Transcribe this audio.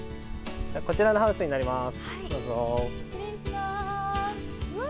こちらのハウスになります。